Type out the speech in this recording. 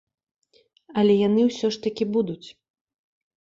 Але яны ўсё ж такі будуць.